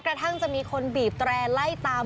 กระทั่งจะมีคนบีบแตร่ไล่ตาม